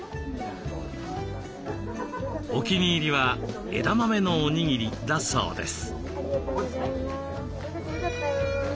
お気に入りは枝豆のおにぎりだそうです。